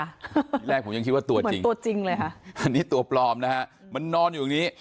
ที่แรกผมยังคิดว่าตัวจริงอันนี้ตัวปลอมนะฮะมันนอนอยู่ตรงนี้